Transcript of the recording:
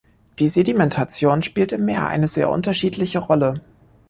Die Sedimentation spielt im Meer eine sehr unterschiedliche Rolle.